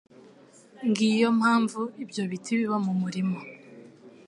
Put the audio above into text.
Ng’iyo mpamvu ibyo biti biba mu murima